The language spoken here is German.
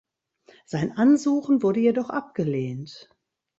Sein Ansuchen wurde jedoch abgelehnt.